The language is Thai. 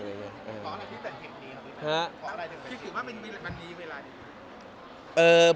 ตอนที่เสร็จเห็นดีครับคิดถึงว่ามันมีเวลาที่ดี